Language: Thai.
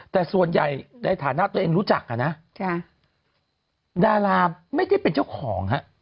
แต่ส่วนใหญ่ในฐานะตัวเองรู้จักอ่ะนะดาราไม่ได้เป็นเจ้าของฮะ